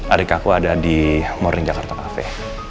adik aku ada di morning jakarta kafe